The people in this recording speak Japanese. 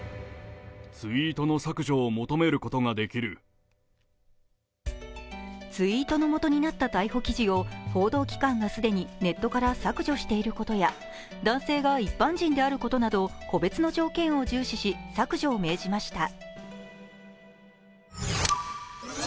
ツイートの元になった逮捕記事を報道機関が既にネットから削除していることや、男性が一般人であることなど、個別の条件を重視し、削除を命じました。